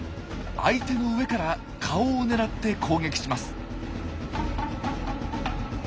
相手の上から顔を狙って攻撃します。